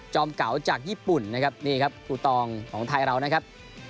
เก๋าจากญี่ปุ่นนะครับนี่ครับครูตองของไทยเรานะครับ